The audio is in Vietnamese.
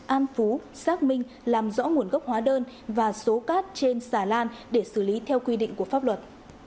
an phú xác minh làm rõ nguồn gốc hóa đơn và số cát trên xà lan để xử lý theo quy định của pháp luật